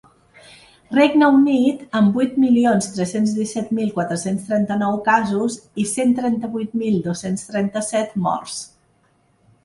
Regne Unit, amb vuit milions tres-cents disset mil quatre-cents trenta-nou casos i cent trenta-vuit mil dos-cents trenta-set morts.